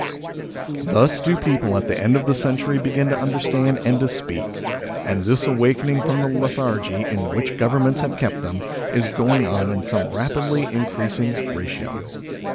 Thus do people, at the end of the century, begin to understand and to speak. And this awakening from the lethargy in which Govern ments have kept them, is going on in some rapidly increasing ratio.